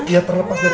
ya terlepas dari